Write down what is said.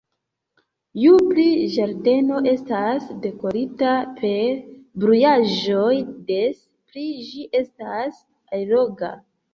Ju pli ĝardeno estas dekorita per bluaĵoj, des pli ĝi estas alloga.